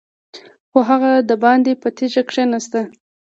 خو هغه دباندې په تيږه کېناست.